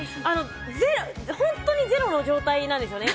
本当に、ゼロの状態なんですよね。